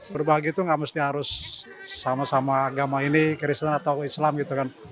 berbagi itu nggak mesti harus sama sama agama ini kristen atau islam gitu kan